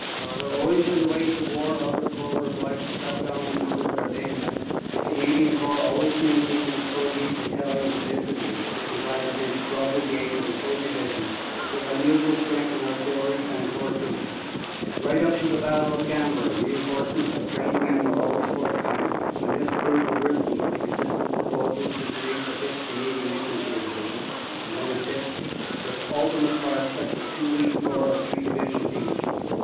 Where owing to the waste of war other Corps were obliged to cut down the number of their bayonets, the Cana dian Corps always maintained its forty eight Battalions of Infantry, divided into twelve Brigades and four Divisions, with unusual strength in Artillery and Corps Troops. Right up to the Battle of Cambrai reinforcements of trained men were always forthcoming, and this proved the wisdom which resisted proposals to create the Sth. Canadian Infantry Divi sion, and then a sixth, with the ultimate prospect of two weak Corps of three Divisions each.